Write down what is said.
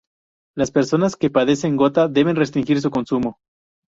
Las personas que padecen gota deben restringir su consumo.